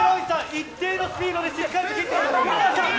一定のスピードでしっかり切ってます。